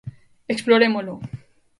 Explorémolo.